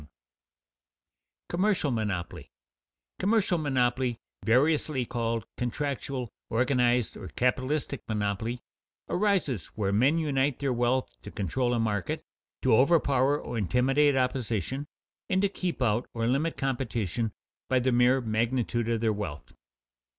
[Sidenote: Commercial monopoly] Commercial monopoly, variously called contractual, organized, or capitalistic monopoly, arises where men unite their wealth to control a market, to overpower or intimidate opposition, and to keep out or limit competition by the mere magnitude of their wealth.